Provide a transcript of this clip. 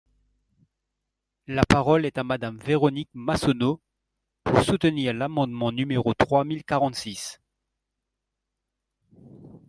La parole est à Madame Véronique Massonneau, pour soutenir l’amendement numéro trois mille quarante-six.